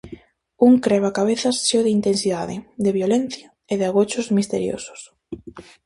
Un crebacabezas cheo de intensidade, de violencia e de agochos misteriosos.